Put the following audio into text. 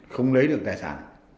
không lấy được tài sản